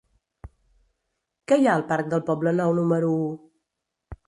Què hi ha al parc del Poblenou número u?